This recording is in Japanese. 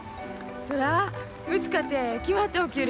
そらうちかて決まったお給料